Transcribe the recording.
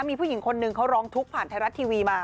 มีผู้หญิงคนหนึ่งเขาร้องทุกข์ผ่านไทยรัฐทีวีมา